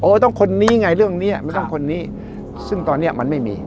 ต้องคนนี้ไงเรื่องนี้มันต้องคนนี้ซึ่งตอนเนี้ยมันไม่มี